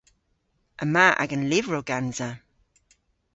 Yma agan lyvrow gansa.